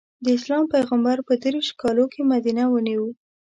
د اسلام پېغمبر په درویشت کالو کې مدینه ونیو.